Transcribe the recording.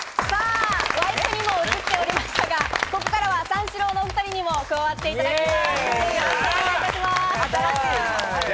ワイプにも写っておりましたが、ここからは三四郎のお二人にも加わっていただきます。